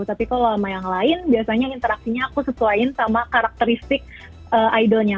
tapi kalau sama yang lain biasanya interaksinya aku sesuaiin sama karakteristik idolnya